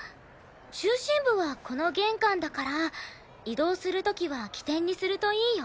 中心部はこの玄関だから移動する時は起点にするといいよ。